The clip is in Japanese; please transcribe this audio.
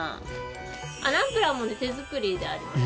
ナンプラーもね手作りであります。